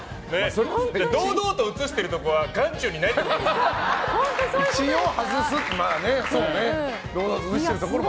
堂々と映しているところは眼中にないってことか。